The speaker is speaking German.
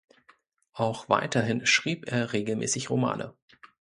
Auch weiterhin schrieb er regelmäßig Romane.